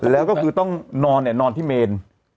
แล้วก็คือต้องนอนเนี่ยนอนที่เมน